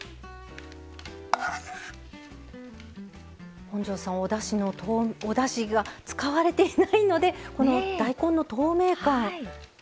本上さん、おだしが使われていないので大根の透明感。